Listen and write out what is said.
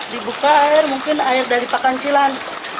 dibuka air mungkin air dari pakan cilan